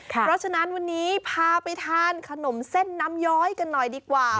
เพราะฉะนั้นวันนี้พาไปทานขนมเส้นน้ำย้อยกันหน่อยดีกว่า